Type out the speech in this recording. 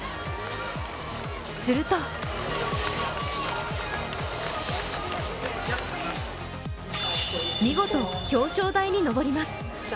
すると見事、表彰台に上ります。